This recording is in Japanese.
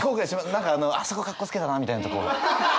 何かあそこカッコつけたなみたいなとこは。